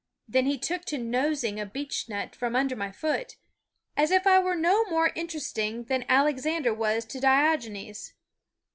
Then he took to nosing a beechnut from under my foot, as if I were no more interest ing than Alexander was to Diogenes.